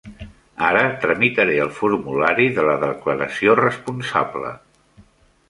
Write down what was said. Ara tramitaré el formulari de la declaració responsable.